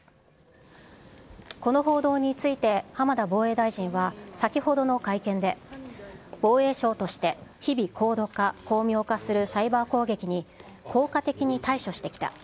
この報道について、浜田防衛大臣は、先ほどの会見で、防衛省として日々高度化・巧妙化するサイバー攻撃に効果的に対処してきた。